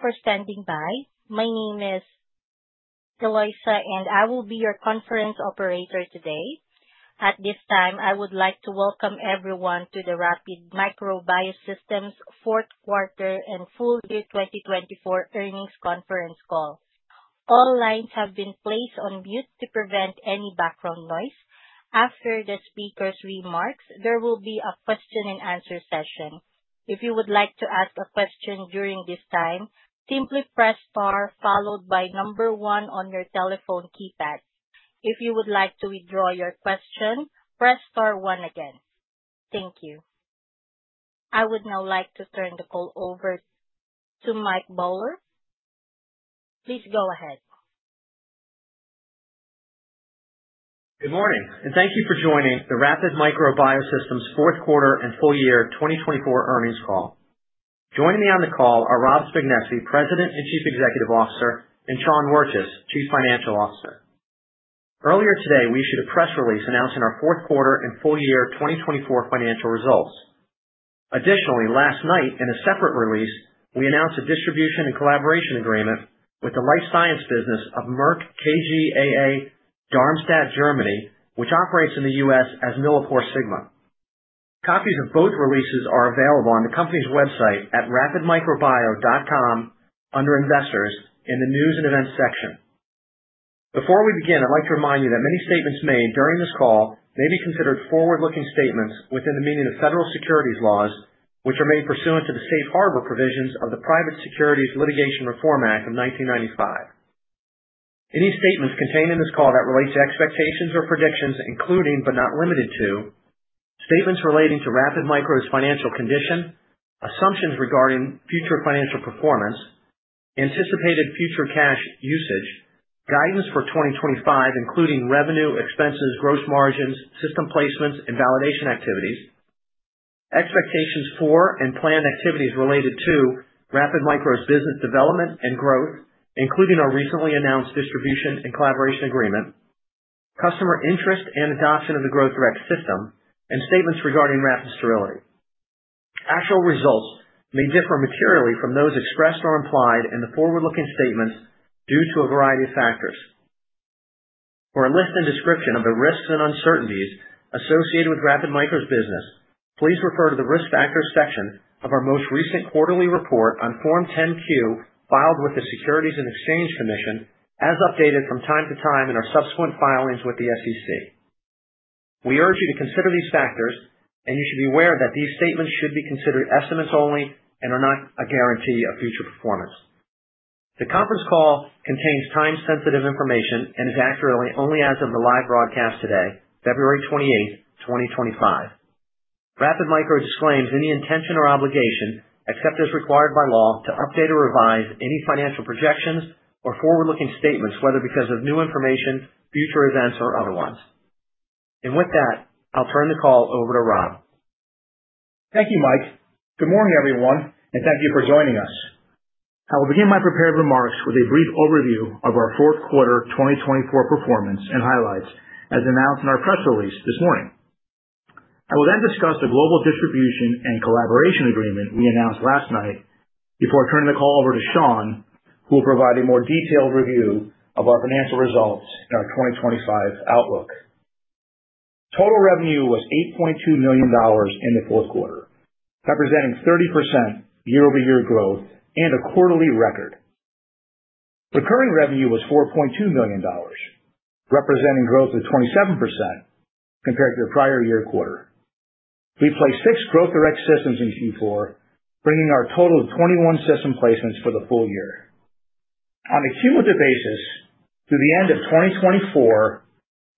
Thank you for standing by. My name is Eloisa, and I will be your conference operator today. At this time, I would like to welcome everyone to the Rapid Micro Biosystems Fourth Quarter and Full Year 2024 Earnings Conference Call. All lines have been placed on mute to prevent any background noise. After the speaker's remarks, there will be a question-and-answer session. If you would like to ask a question during this time, simply press star followed by number one on your telephone keypad. If you would like to withdraw your question, press star one again. Thank you. I would now like to turn the call over to Mike Beaulieu. Please go ahead. Good morning, and thank you for joining the Rapid Micro Biosystems Fourth Quarter and Full Year 2024 Earnings Call. Joining me on the call are Rob Spignesi, President and Chief Executive Officer, and Sean Wirtjes, Chief Financial Officer. Earlier today, we issued a press release announcing our Fourth Quarter and Full Year 2024 financial results. Additionally, last night, in a separate release, we announced a distribution and collaboration agreement with the life science business of Merck KGaA Darmstadt, Germany, which operates in the US as MilliporeSigma. Copies of both releases are available on the company's website at rapidmicrobio.com under Investors in the News and Events section. Before we begin, I'd like to remind you that many statements made during this call may be considered forward-looking statements within the meaning of federal securities laws, which are made pursuant to the safe harbor provisions of the Private Securities Litigation Reform Act of 1995. Any statements contained in this call that relate to expectations or predictions, including but not limited to statements relating to Rapid Micro Biosystems' financial condition, assumptions regarding future financial performance, anticipated future cash usage, guidance for 2025, including revenue, expenses, gross margins, system placements, and validation activities, expectations for and planned activities related to Rapid Micro Biosystems' business development and growth, including our recently announced distribution and collaboration agreement, customer interest and adoption of the Growth Direct system, and statements regarding Rapid Sterility. Actual results may differ materially from those expressed or implied in the forward-looking statements due to a variety of factors. For a list and description of the risks and uncertainties associated with Rapid Micro Biosystems' business, please refer to the risk factors section of our most recent quarterly report on Form 10Q filed with the Securities and Exchange Commission, as updated from time to time in our subsequent filings with the SEC. We urge you to consider these factors, and you should be aware that these statements should be considered estimates only and are not a guarantee of future performance. The conference call contains time-sensitive information and is accurate only as of the live broadcast today, February 28, 2025. Rapid Micro Biosystems disclaims any intention or obligation, except as required by law, to update or revise any financial projections or forward-looking statements, whether because of new information, future events, or otherwise. With that, I'll turn the call over to Rob. Thank you, Mike. Good morning, everyone, and thank you for joining us. I will begin my prepared remarks with a brief overview of our fourth quarter 2024 performance and highlights, as announced in our press release this morning. I will then discuss the global distribution and collaboration agreement we announced last night before turning the call over to Sean, who will provide a more detailed review of our financial results and our 2025 outlook. Total revenue was $8.2 million in the fourth quarter, representing 30% year-over-year growth and a quarterly record. Recurring revenue was $4.2 million, representing growth of 27% compared to the prior year quarter. We placed six Growth Direct systems in Q4, bringing our total to 21 system placements for the full year. On a cumulative basis, to the end of 2024,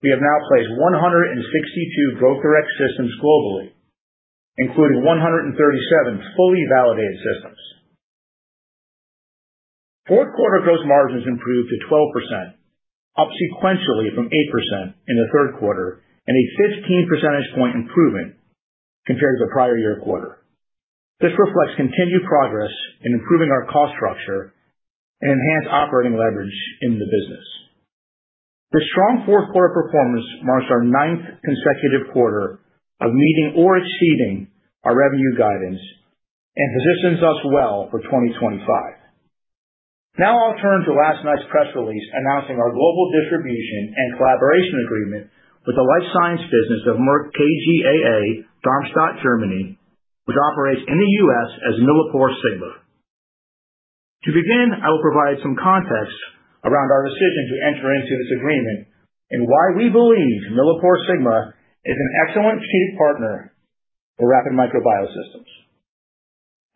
we have now placed 162 Growth Direct systems globally, including 137 fully validated systems. Fourth quarter gross margins improved to 12%, up sequentially from 8% in the third quarter, and a 15 percentage point improvement compared to the prior year quarter. This reflects continued progress in improving our cost structure and enhanced operating leverage in the business. This strong fourth quarter performance marks our ninth consecutive quarter of meeting or exceeding our revenue guidance and positions us well for 2025. Now I'll turn to last night's press release announcing our global distribution and collaboration agreement with the life science business of Merck KGaA Darmstadt, Germany, which operates in the US as MilliporeSigma. To begin, I will provide some context around our decision to enter into this agreement and why we believe MilliporeSigma is an excellent strategic partner for Rapid Micro Biosystems.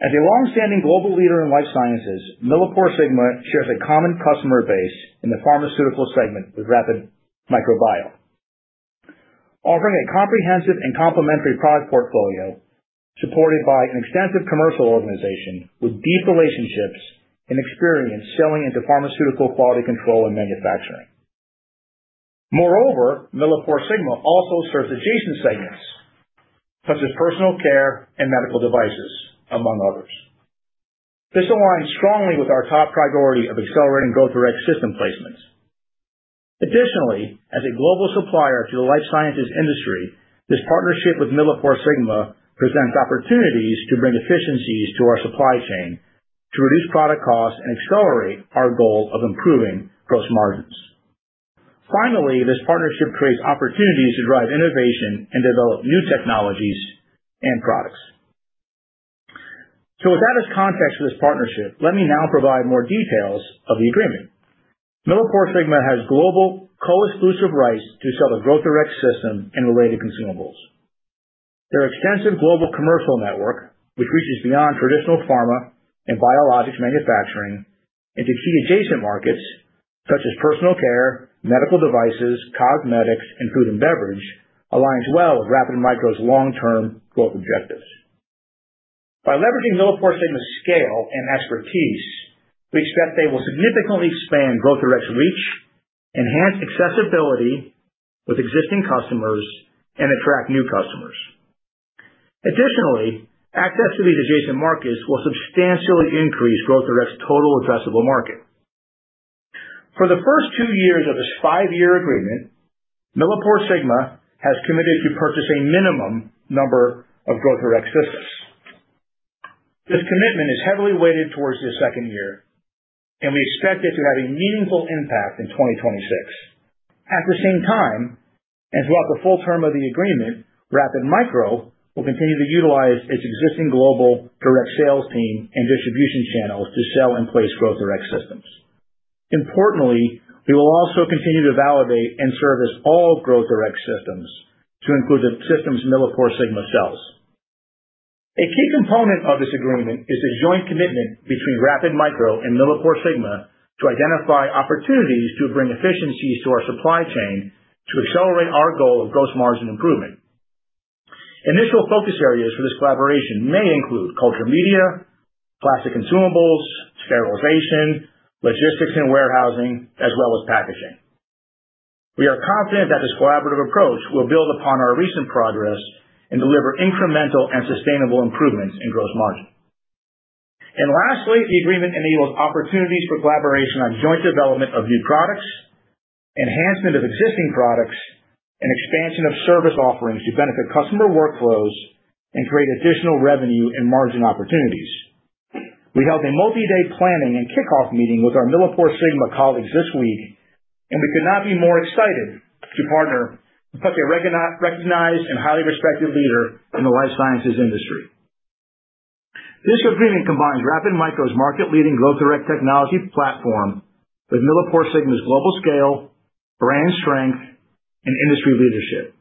As a longstanding global leader in life sciences, MilliporeSigma shares a common customer base in the pharmaceutical segment with Rapid Micro Biosystems. Offering a comprehensive and complementary product portfolio supported by an extensive commercial organization with deep relationships and experience selling into pharmaceutical quality control and manufacturing. Moreover, MilliporeSigma also serves adjacent segments such as personal care and medical devices, among others. This aligns strongly with our top priority of accelerating Growth Direct system placements. Additionally, as a global supplier to the life sciences industry, this partnership with MilliporeSigma presents opportunities to bring efficiencies to our supply chain, to reduce product costs, and accelerate our goal of improving gross margins. Finally, this partnership creates opportunities to drive innovation and develop new technologies and products. With that as context for this partnership, let me now provide more details of the agreement. MilliporeSigma has global co-exclusive rights to sell the Growth Direct system and related consumables. Their extensive global commercial network, which reaches beyond traditional pharma and biologics manufacturing into key adjacent markets such as personal care, medical devices, cosmetics, and food and beverage, aligns well with Rapid Micro's long-term growth objectives. By leveraging MilliporeSigma's scale and expertise, we expect they will significantly expand Growth Direct's reach, enhance accessibility with existing customers, and attract new customers. Additionally, access to these adjacent markets will substantially increase Growth Direct's total addressable market. For the first two years of this five-year agreement, MilliporeSigma has committed to purchase a minimum number of Growth Direct systems. This commitment is heavily weighted towards the second year, and we expect it to have a meaningful impact in 2026. At the same time, and throughout the full term of the agreement, Rapid Micro will continue to utilize its existing global direct sales team and distribution channels to sell and place Growth Direct systems. Importantly, we will also continue to validate and service all Growth Direct systems to include the systems MilliporeSigma sells. A key component of this agreement is the joint commitment between Rapid Micro and MilliporeSigma to identify opportunities to bring efficiencies to our supply chain to accelerate our goal of gross margin improvement. Initial focus areas for this collaboration may include culture media, plastic consumables, sterilization, logistics and warehousing, as well as packaging. We are confident that this collaborative approach will build upon our recent progress and deliver incremental and sustainable improvements in gross margin. Lastly, the agreement enables opportunities for collaboration on joint development of new products, enhancement of existing products, and expansion of service offerings to benefit customer workflows and create additional revenue and margin opportunities. We held a multi-day planning and kickoff meeting with our MilliporeSigma colleagues this week, and we could not be more excited to partner with such a recognized and highly respected leader in the life sciences industry. This agreement combines Rapid Micro's market-leading Growth Direct technology platform with MilliporeSigma's global scale, brand strength, and industry leadership.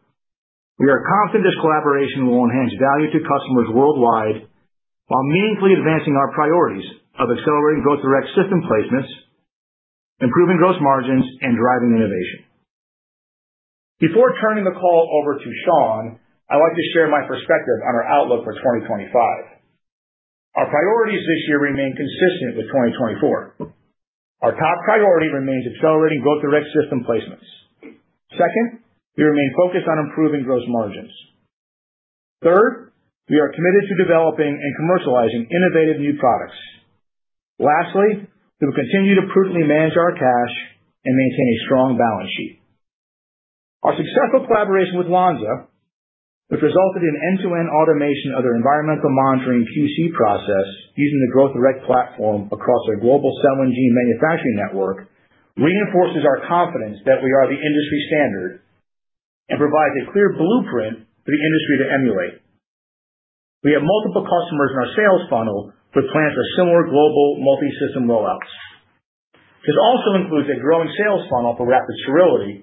We are confident this collaboration will enhance value to customers worldwide while meaningfully advancing our priorities of accelerating Growth Direct system placements, improving gross margins, and driving innovation. Before turning the call over to Sean, I'd like to share my perspective on our outlook for 2025. Our priorities this year remain consistent with 2024. Our top priority remains accelerating Growth Direct system placements. Second, we remain focused on improving gross margins. Third, we are committed to developing and commercializing innovative new products. Lastly, we will continue to prudently manage our cash and maintain a strong balance sheet. Our successful collaboration with Lonza, which resulted in end-to-end automation of their environmental monitoring QC process using the Growth Direct platform across our global 7G manufacturing network, reinforces our confidence that we are the industry standard and provide a clear blueprint for the industry to emulate. We have multiple customers in our sales funnel who plan for similar global multi-system rollouts. This also includes a growing sales funnel for Rapid Sterility,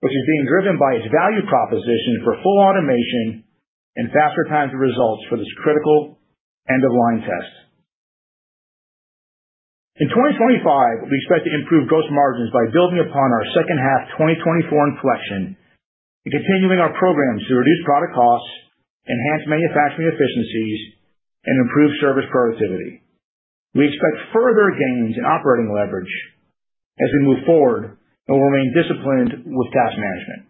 which is being driven by its value proposition for full automation and faster time to results for this critical end-of-line test. In 2025, we expect to improve gross margins by building upon our second half 2024 inflection and continuing our programs to reduce product costs, enhance manufacturing efficiencies, and improve service productivity. We expect further gains in operating leverage as we move forward and will remain disciplined with cash management.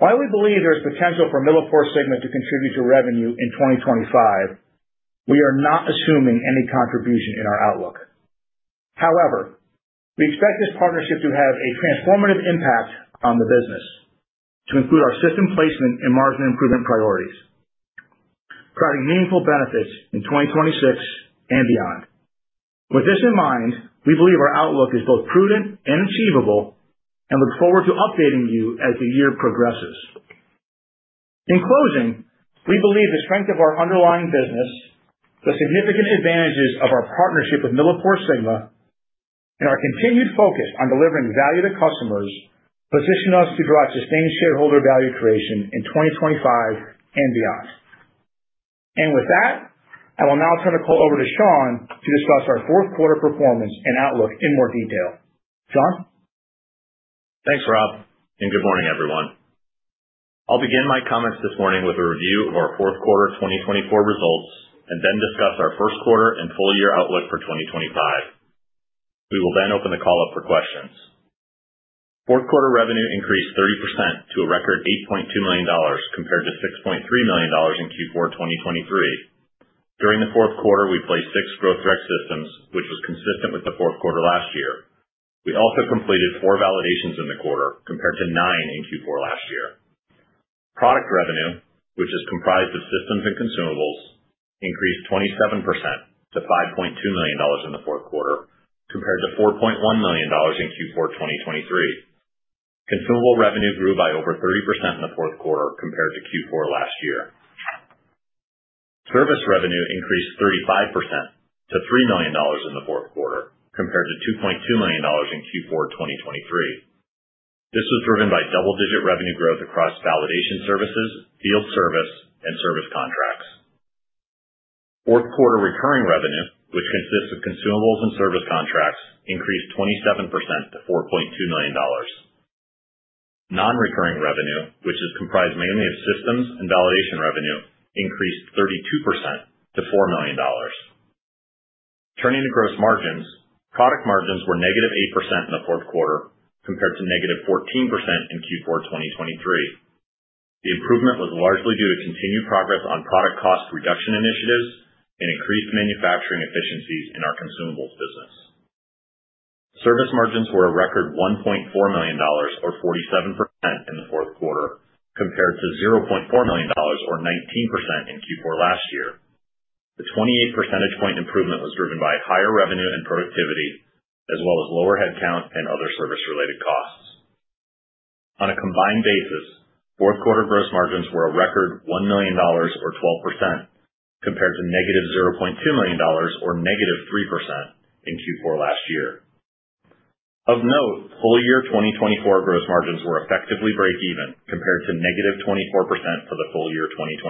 While we believe there is potential for MilliporeSigma to contribute to revenue in 2025, we are not assuming any contribution in our outlook. However, we expect this partnership to have a transformative impact on the business to include our system placement and margin improvement priorities, providing meaningful benefits in 2026 and beyond. With this in mind, we believe our outlook is both prudent and achievable and look forward to updating you as the year progresses. In closing, we believe the strength of our underlying business, the significant advantages of our partnership with MilliporeSigma, and our continued focus on delivering value to customers position us to drive sustained shareholder value creation in 2025 and beyond. With that, I will now turn the call over to Sean to discuss our fourth quarter performance and outlook in more detail. Sean? Thanks, Rob, and good morning, everyone. I'll begin my comments this morning with a review of our fourth quarter 2024 results and then discuss our first quarter and full-year outlook for 2025. We will then open the call up for questions. Fourth quarter revenue increased 30% to a record $8.2 million compared to $6.3 million in Q4 2023. During the fourth quarter, we placed six Growth Direct systems, which was consistent with the fourth quarter last year. We also completed four validations in the quarter compared to nine in Q4 last year. Product revenue, which is comprised of systems and consumables, increased 27% to $5.2 million in the fourth quarter compared to $4.1 million in Q4 2023. Consumable revenue grew by over 30% in the fourth quarter compared to Q4 last year. Service revenue increased 35% to $3 million in the fourth quarter compared to $2.2 million in Q4 2023. This was driven by double-digit revenue growth across validation services, field service, and service contracts. Fourth quarter recurring revenue, which consists of consumables and service contracts, increased 27% to $4.2 million. Non-recurring revenue, which is comprised mainly of systems and validation revenue, increased 32% to $4 million. Turning to gross margins, product margins were negative 8% in the fourth quarter compared to negative 14% in Q4 2023. The improvement was largely due to continued progress on product cost reduction initiatives and increased manufacturing efficiencies in our consumables business. Service margins were a record $1.4 million, or 47% in the fourth quarter, compared to $0.4 million, or 19% in Q4 last year. The 28 percentage point improvement was driven by higher revenue and productivity, as well as lower headcount and other service-related costs. On a combined basis, fourth quarter gross margins were a record $1 million, or 12%, compared to negative $0.2 million, or negative 3% in Q4 last year. Of note, full-year 2024 gross margins were effectively break-even compared to negative 24% for the full year 2023.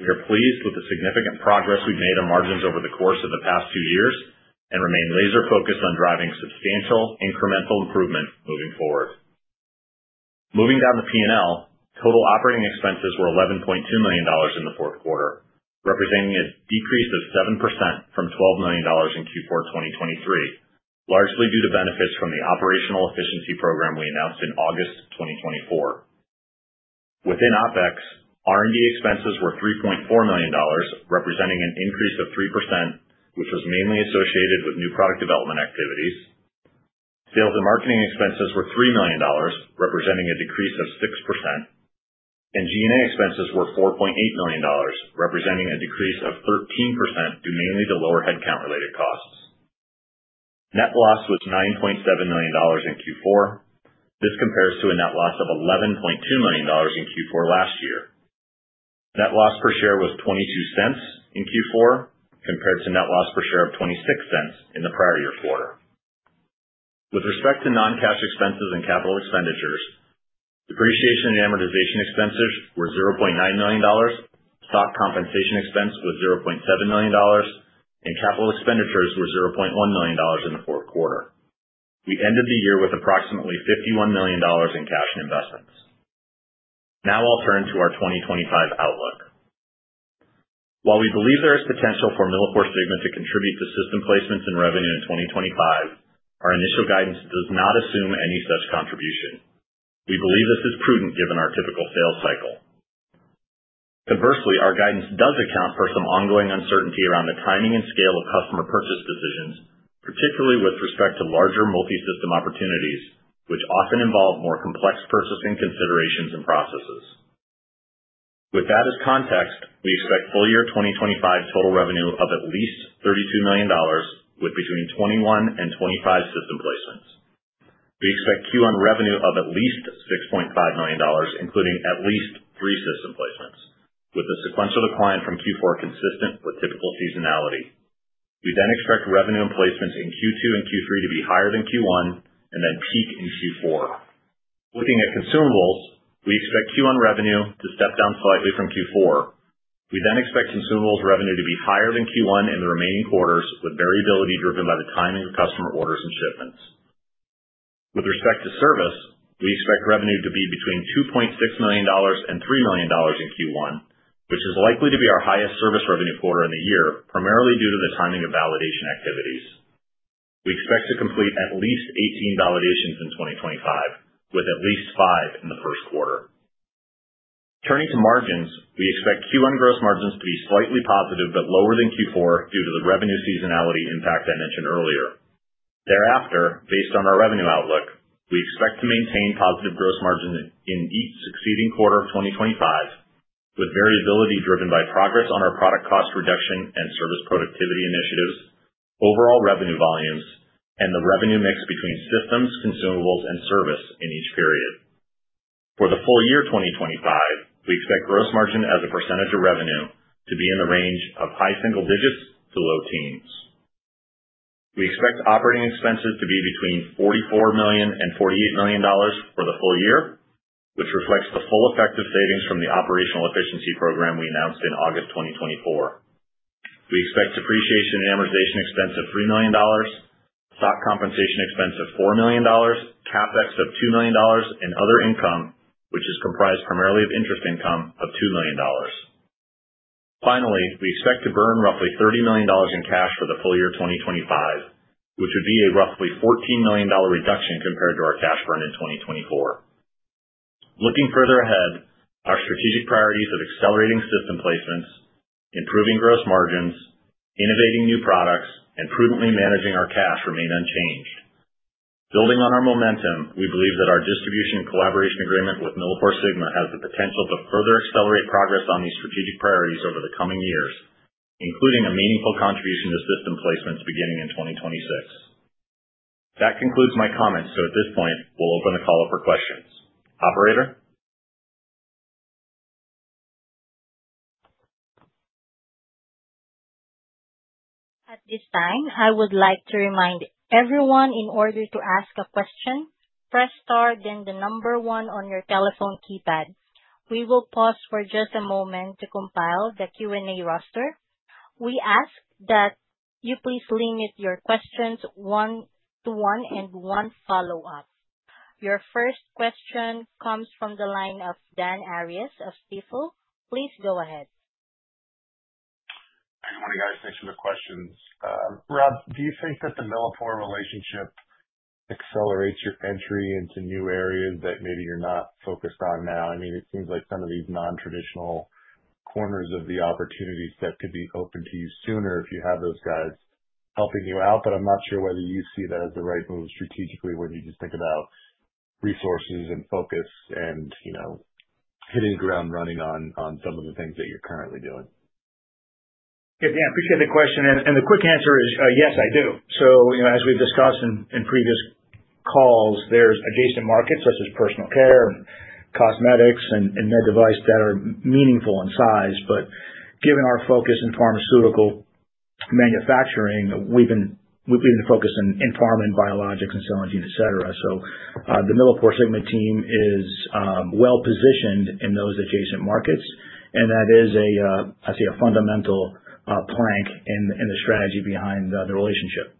We are pleased with the significant progress we've made on margins over the course of the past two years and remain laser-focused on driving substantial incremental improvement moving forward. Moving down the P&L, total operating expenses were $11.2 million in the fourth quarter, representing a decrease of 7% from $12 million in Q4 2023, largely due to benefits from the operational efficiency program we announced in August 2024. Within OpEx, R&D expenses were $3.4 million, representing an increase of 3%, which was mainly associated with new product development activities. Sales and marketing expenses were $3 million, representing a decrease of 6%, and G&A expenses were $4.8 million, representing a decrease of 13% due mainly to lower headcount-related costs. Net loss was $9.7 million in Q4. This compares to a net loss of $11.2 million in Q4 last year. Net loss per share was $0.22 in Q4 compared to net loss per share of $0.26 in the prior year quarter. With respect to non-cash expenses and capital expenditures, depreciation and amortization expenses were $0.9 million, stock compensation expense was $0.7 million, and capital expenditures were $0.1 million in the fourth quarter. We ended the year with approximately $51 million in cash and investments. Now I'll turn to our 2025 outlook. While we believe there is potential for MilliporeSigma to contribute to system placements and revenue in 2025, our initial guidance does not assume any such contribution. We believe this is prudent given our typical sales cycle. Conversely, our guidance does account for some ongoing uncertainty around the timing and scale of customer purchase decisions, particularly with respect to larger multi-system opportunities, which often involve more complex purchasing considerations and processes. With that as context, we expect full-year 2025 total revenue of at least $32 million, with between 21 and 25 system placements. We expect Q1 revenue of at least $6.5 million, including at least three system placements, with the sequential decline from Q4 consistent with typical seasonality. We then expect revenue and placements in Q2 and Q3 to be higher than Q1 and then peak in Q4. Looking at consumables, we expect Q1 revenue to step down slightly from Q4. We then expect consumables revenue to be higher than Q1 in the remaining quarters, with variability driven by the timing of customer orders and shipments. With respect to service, we expect revenue to be between $2.6 million and $3 million in Q1, which is likely to be our highest service revenue quarter in the year, primarily due to the timing of validation activities. We expect to complete at least 18 validations in 2025, with at least five in the first quarter. Turning to margins, we expect Q1 gross margins to be slightly positive but lower than Q4 due to the revenue seasonality impact I mentioned earlier. Thereafter, based on our revenue outlook, we expect to maintain positive gross margins in each succeeding quarter of 2025, with variability driven by progress on our product cost reduction and service productivity initiatives, overall revenue volumes, and the revenue mix between systems, consumables, and service in each period. For the full year 2025, we expect gross margin as a percentage of revenue to be in the range of high single digits to low teens. We expect operating expenses to be between $44 million-$48 million for the full year, which reflects the full effective savings from the operational efficiency program we announced in August 2024. We expect depreciation and amortization expense of $3 million, stock compensation expense of $4 million, CapEx of $2 million, and other income, which is comprised primarily of interest income of $2 million. Finally, we expect to burn roughly $30 million in cash for the full year 2025, which would be a roughly $14 million reduction compared to our cash burn in 2024. Looking further ahead, our strategic priorities of accelerating system placements, improving gross margins, innovating new products, and prudently managing our cash remain unchanged. Building on our momentum, we believe that our distribution and collaboration agreement with MilliporeSigma has the potential to further accelerate progress on these strategic priorities over the coming years, including a meaningful contribution to system placements beginning in 2026. That concludes my comments, so at this point, we'll open the call up for questions. Operator? At this time, I would like to remind everyone in order to ask a question, press star, then the number one on your telephone keypad. We will pause for just a moment to compile the Q&A roster. We ask that you please limit your questions one-to-one and one follow-up. Your first question comes from the line of Dan Arias of Stifel. Please go ahead. I want to guide us into the questions. Rob, do you think that the MilliporeSigma relationship accelerates your entry into new areas that maybe you're not focused on now? I mean, it seems like some of these non-traditional corners of the opportunities that could be open to you sooner if you have those guys helping you out, but I'm not sure whether you see that as the right move strategically when you just think about resources and focus and hitting ground running on some of the things that you're currently doing. Yeah, I appreciate the question. The quick answer is yes, I do. As we've discussed in previous calls, there are adjacent markets such as personal care and cosmetics and med devices that are meaningful in size. Given our focus in pharmaceutical manufacturing, we've been focused in pharma and biologics and so on, etc. The MilliporeSigma team is well-positioned in those adjacent markets, and that is, I'd say, a fundamental plank in the strategy behind the relationship.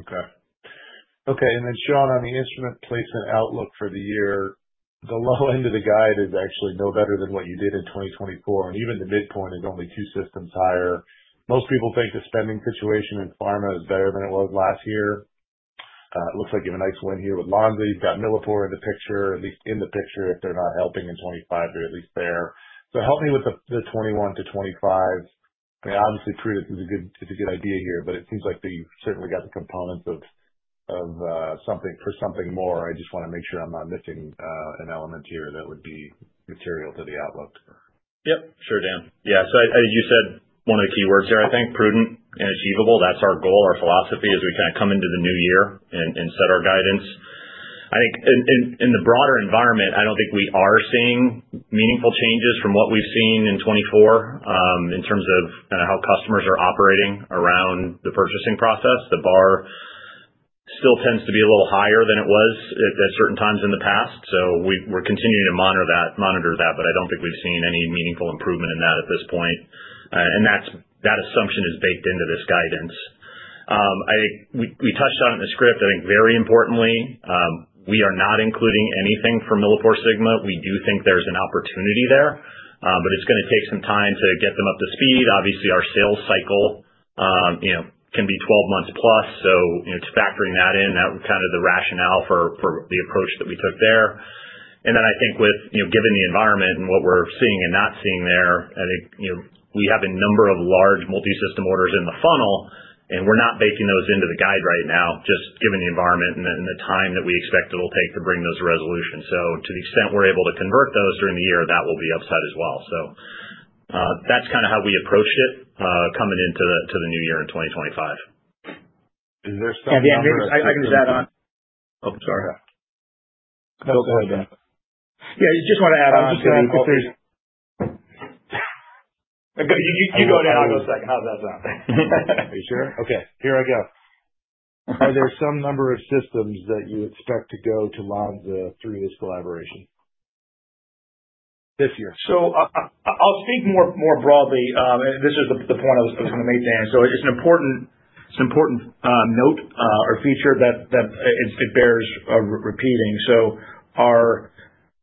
Okay. Okay. And then, Sean, on the instrument placement outlook for the year, the low end of the guide is actually no better than what you did in 2024. Even the midpoint is only two systems higher. Most people think the spending situation in pharma is better than it was last year. It looks like you have a nice win here with Lonza. You've got MilliporeSigma in the picture, at least in the picture if they're not helping in 2025. They're at least there. Help me with the 2021 to 2025. I mean, obviously, prudence is a good idea here, but it seems like you've certainly got the components of something for something more. I just want to make sure I'm not missing an element here that would be material to the outlook. Yep. Sure, Dan. Yeah. You said one of the key words there, I think, prudent and achievable. That is our goal. Our philosophy is we kind of come into the new year and set our guidance. I think in the broader environment, I do not think we are seeing meaningful changes from what we have seen in 2024 in terms of kind of how customers are operating around the purchasing process. The bar still tends to be a little higher than it was at certain times in the past. We are continuing to monitor that, but I do not think we have seen any meaningful improvement in that at this point. That assumption is baked into this guidance. I think we touched on it in the script. Very importantly, we are not including anything for MilliporeSigma. We do think there's an opportunity there, but it's going to take some time to get them up to speed. Obviously, our sales cycle can be 12 months plus. Factoring that in, that was kind of the rationale for the approach that we took there. I think with given the environment and what we're seeing and not seeing there, we have a number of large multi-system orders in the funnel, and we're not baking those into the guide right now, just given the environment and the time that we expect it'll take to bring those resolutions. To the extent we're able to convert those during the year, that will be upside as well. That's kind of how we approached it coming into the new year in 2025. Is there something else? Yeah, maybe I can just add on. Oh, sorry. Go ahead, Dan. Yeah, I just want to add on. You go ahead. I'll go a second. How's that sound? Are you sure? Okay. Here I go. Are there some number of systems that you expect to go to Lonza through this collaboration this year? I'll speak more broadly. This is the point I was going to make, Dan. It's an important note or feature that bears repeating.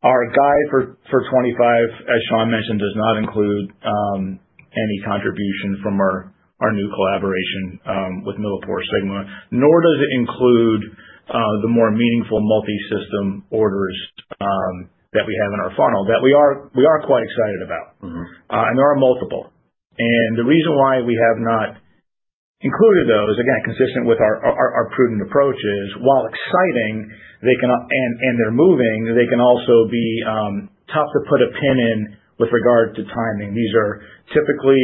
Our guide for 2025, as Sean mentioned, does not include any contribution from our new collaboration with MilliporeSigma, nor does it include the more meaningful multi-system orders that we have in our funnel that we are quite excited about. There are multiple. The reason why we have not included those, again, consistent with our prudent approaches, is while exciting and they're moving, they can also be tough to put a pin in with regard to timing. These are typically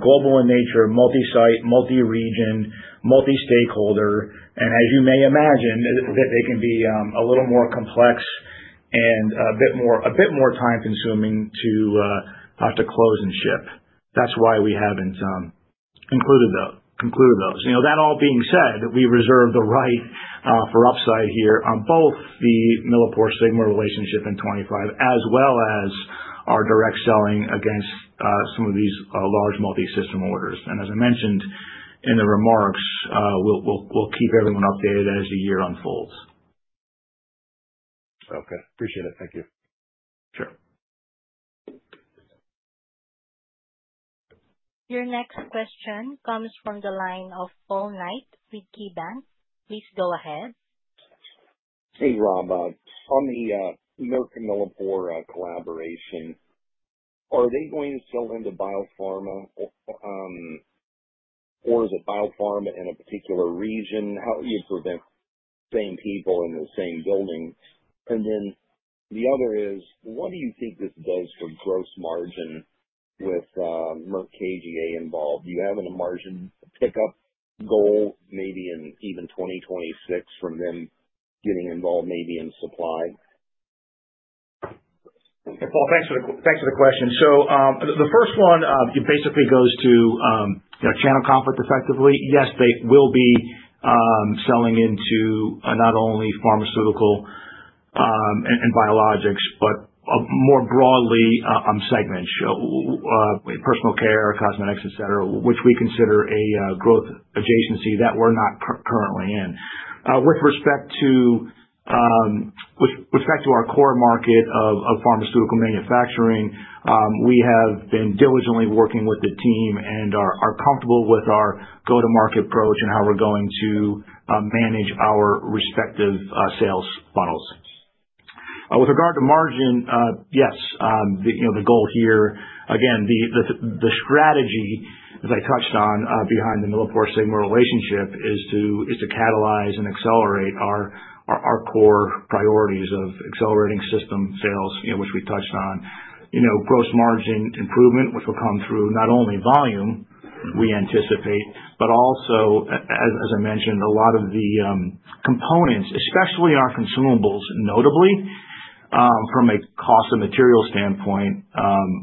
global in nature, multi-site, multi-region, multi-stakeholder. As you may imagine, they can be a little more complex and a bit more time-consuming to have to close and ship. That's why we haven't included those. That all being said, we reserve the right for upside here on both the MilliporeSigma relationship in 2025, as well as our direct selling against some of these large multi-system orders. As I mentioned in the remarks, we'll keep everyone updated as the year unfolds. Okay. Appreciate it. Thank you. Sure. Your next question comes from the line of Paul Knight with KeyBanc. Please go ahead. Hey, Rob. On the Merck and MilliporeSigma collaboration, are they going to sell into biopharma, or is it biopharma in a particular region? How are you preventing the same people in the same building? The other is, what do you think this does for gross margin with Merck KGaA involved? Do you have a margin pickup goal maybe in even 2026 from them getting involved maybe in supply? Thanks for the question. The first one basically goes to channel conflict effectively. Yes, they will be selling into not only pharmaceutical and biologics, but more broadly on segments, personal care, cosmetics, etc., which we consider a growth adjacency that we're not currently in. With respect to our core market of pharmaceutical manufacturing, we have been diligently working with the team and are comfortable with our go-to-market approach and how we're going to manage our respective sales funnels. With regard to margin, yes, the goal here, again, the strategy, as I touched on behind the MilliporeSigma relationship, is to catalyze and accelerate our core priorities of accelerating system sales, which we touched on. Gross margin improvement, which will come through not only volume we anticipate, but also, as I mentioned, a lot of the components, especially our consumables, notably from a cost of material standpoint,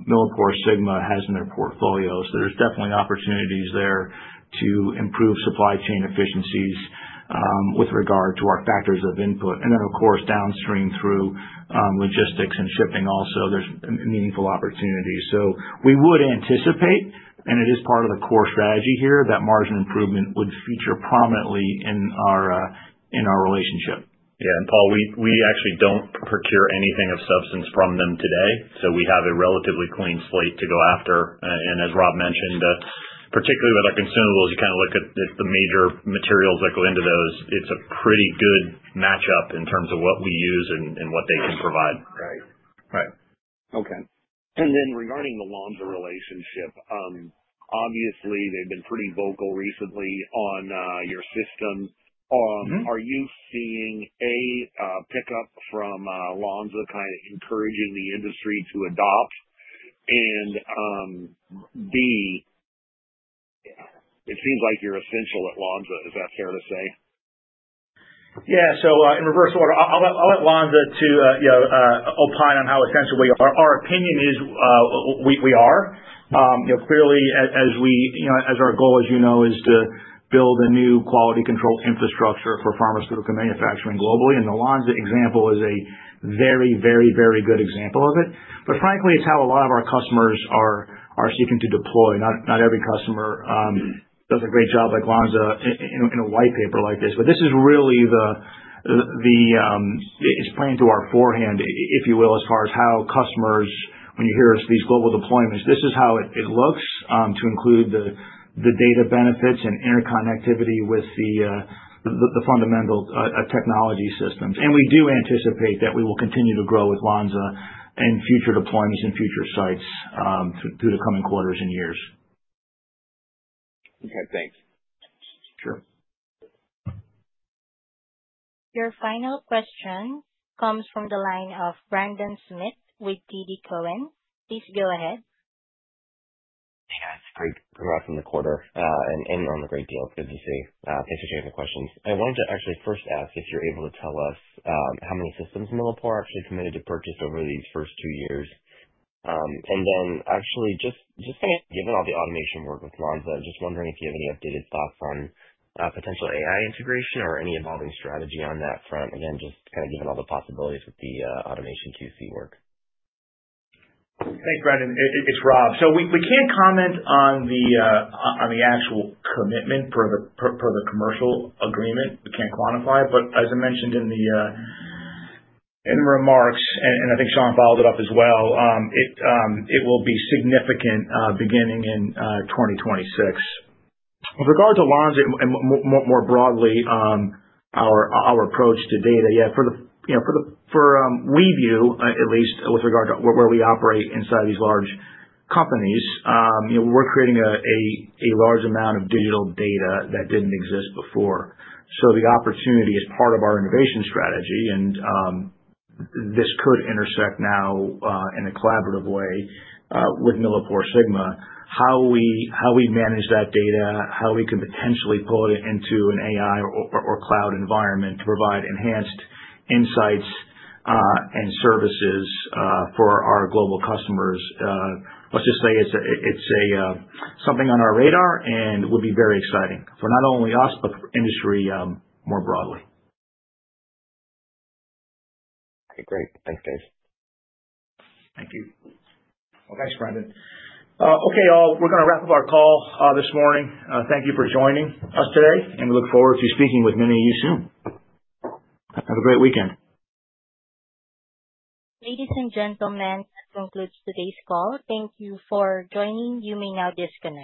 MilliporeSigma has in their portfolios. There are definitely opportunities there to improve supply chain efficiencies with regard to our factors of input. Of course, downstream through logistics and shipping also, there are meaningful opportunities. We would anticipate, and it is part of the core strategy here, that margin improvement would feature prominently in our relationship. Yeah. Paul, we actually do not procure anything of substance from them today. We have a relatively clean slate to go after. As Rob mentioned, particularly with our consumables, you kind of look at the major materials that go into those. It is a pretty good matchup in terms of what we use and what they can provide. Right. Right. Okay. Regarding the Lonza relationship, obviously, they've been pretty vocal recently on your system. Are you seeing a pickup from Lonza kind of encouraging the industry to adopt? B, it seems like you're essential at Lonza. Is that fair to say? Yeah. In reverse order, I'll let Lonza opine on how essential we are. Our opinion is we are. Clearly, as our goal, as you know, is to build a new quality control infrastructure for pharmaceutical manufacturing globally. The Lonza example is a very, very, very good example of it. Frankly, it's how a lot of our customers are seeking to deploy. Not every customer does a great job like Lonza in a white paper like this. This is really the, it's playing to our forehand, if you will, as far as how customers, when you hear these global deployments, this is how it looks to include the data benefits and interconnectivity with the fundamental technology systems. We do anticipate that we will continue to grow with Lonza and future deployments and future sites through the coming quarters and years. Okay. Thanks. Sure. Your final question comes from the line of Brendan Smith with TD Cowen. Please go ahead. Hey, guys. Great progress in the quarter. You're on the great deal. Good to see. Thanks for taking the questions. I wanted to actually first ask if you're able to tell us how many systems MilliporeSigma actually committed to purchase over these first two years. Just kind of given all the automation work with Lonza, I'm just wondering if you have any updated thoughts on potential AI integration or any evolving strategy on that front. Again, just kind of given all the possibilities with the automation QC work. Thanks, Brendan. It's Rob. We can't comment on the actual commitment per the commercial agreement. We can't quantify it. As I mentioned in the remarks, and I think Sean followed it up as well, it will be significant beginning in 2026. With regard to Lonza and more broadly, our approach to data, yeah, we view, at least with regard to where we operate inside these large companies, we're creating a large amount of digital data that didn't exist before. The opportunity is part of our innovation strategy, and this could intersect now in a collaborative way with MilliporeSigma, how we manage that data, how we can potentially pull it into an AI or cloud environment to provide enhanced insights and services for our global customers. Let's just say it's something on our radar and would be very exciting for not only us, but industry more broadly. Okay. Great. Thanks, guys. Thank you. Thanks, Brandon. Okay. We're going to wrap up our call this morning. Thank you for joining us today, and we look forward to speaking with many of you soon. Have a great weekend. Ladies and gentlemen, that concludes today's call. Thank you for joining. You may now disconnect.